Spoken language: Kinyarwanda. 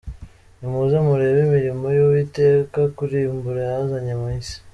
Nimuze murebe imirimo y’Uwiteka, Kurimbura yazanye mu isi.